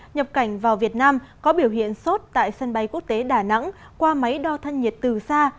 nhập cảnh vào việt nam có biểu hiện sốt tại sân bay quốc tế đà nẵng qua máy đo thân nhiệt từ xa